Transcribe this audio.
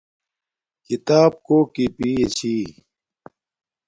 کھیتاپ کوکی پیے چھݵ